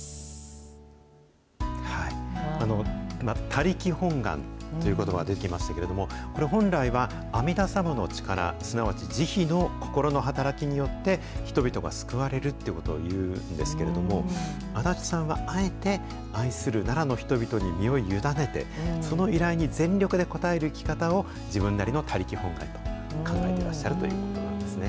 他力本願ということばが出てきましたけれども、これ、本来は、阿弥陀様の力、すなわち慈悲の心の働きによって人々が救われるということをいうんですけど、安達さんはあえて、愛する奈良の人々に身を委ねて、その依頼に全力で応える生き方を自分なりの他力本願と考えていらっしゃるということなんですね。